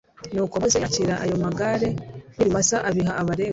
nuko mose yakira ayo magare n'ibimasa abiha abalewi